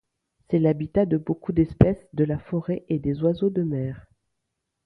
C'est l'habitat de beaucoup d'espèces de la forêt et des oiseaux de mer.